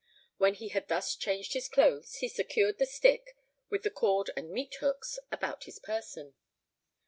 When he had thus changed his clothes, he secured the stick, with the cord and meat hooks, about his person.